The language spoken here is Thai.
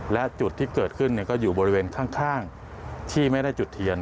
และจุดที่เกิดขึ้นก็อยู่บริเวณข้างที่ไม่ได้จุดเทียน